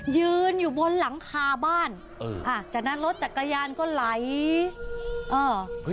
ยืนอยู่บนหลังคาบ้านจากนั้นรถจากกระยานก็ไหล